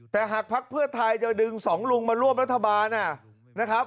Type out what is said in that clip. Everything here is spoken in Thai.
แต่หากภักดิ์เพื่อไทยจะดึงสองลุงมาร่วมรัฐบาลนะครับ